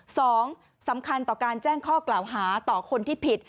สองสำคัญต่อการแจ้งข้อกล่าวหาต่อคนที่ผิด